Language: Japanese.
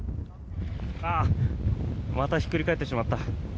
またひっくり返ってしまった。